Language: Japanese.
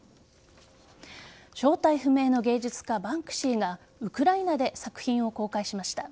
正体不明の芸術家バンクシーがウクライナで作品を公開しました。